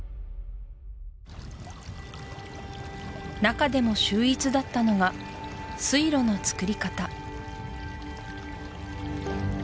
なかでも秀逸だったのが水路のつくり方